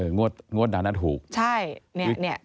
งวดนั้นน่ะถูกใช่นี่